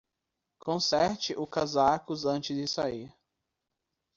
Conserte o casaco antes de sair.